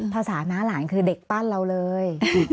ภาษาน้าหลานคือเด็กปั้นเราเลย